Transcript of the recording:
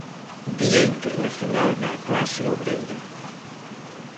Día Internacional da Clase Obreira.